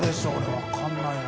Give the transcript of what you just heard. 分からないな。